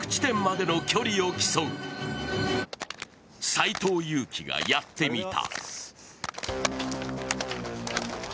斎藤佑樹がやってみた。